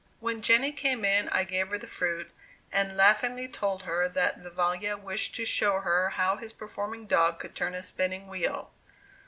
When Jenny came in I gave her the fruit, and laughingly told her that Vivalla wished to show her how his performing dog could turn a spinning wheel.